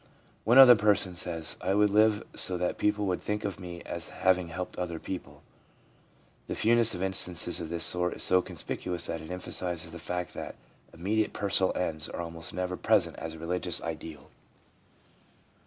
One other person says :* I would live so that people would think of me as having helped other people/ The fewness of instances of this sort is so conspicuous that it emphasises the fact that imme diate personal ends are almost never present as a religious ideal.